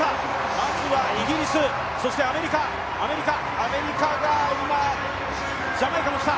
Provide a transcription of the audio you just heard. まずはイギリス、そしてアメリカ、今ジャマイカも来た。